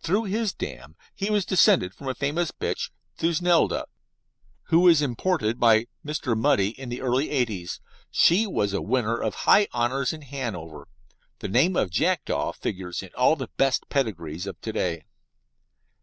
Through his dam he was descended from a famous bitch, Thusnelda, who was imported by Mr. Mudie in the early 'eighties. She was a winner of high honours in Hanover. The name of Jackdaw figures in all the best pedigrees of to day.